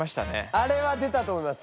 あれは出たと思います。